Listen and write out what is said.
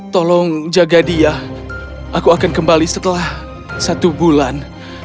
tolong jaga dia aku akan kembali setelah satu bulan